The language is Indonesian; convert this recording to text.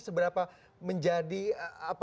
seberapa menjadi apa namanya